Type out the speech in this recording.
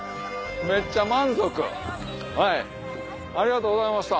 めっちゃ満足はいありがとうございました。